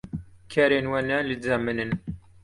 kerên we ne li cem min in.